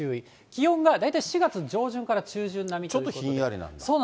気温が大体４月上旬から中旬並みという。